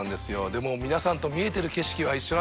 でも皆さんと見えてる景色は一緒なんで。